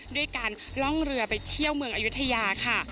ด้วยการล่องเรือไปเที่ยวเมืองอายุทยาค่ะ